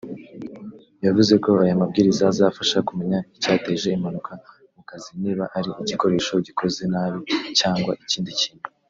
yavuze ko aya mabwiriza azafasha kumenya icyateje impanuka mu kazi niba ari igikoresho gikoze nabi cyangwa ikindi kintu